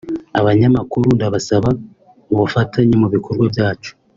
Abanyamakuru ndabasaba ubufatanye mu bikorwa byacu